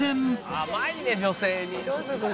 「甘いね女性に」